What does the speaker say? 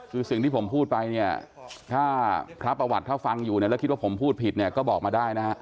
คือสิ่งที่ผมพูดไปเนี่ยถ้าพระประวัติถ้าฟังอยู่เนี่ยแล้วคิดว่าผมพูดผิดเนี่ยก็บอกมาได้นะฮะ